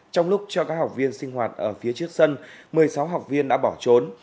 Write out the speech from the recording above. trong lúc cho các học viên sinh hoạt ở phía trước sân một mươi sáu học viên đã bỏ trốn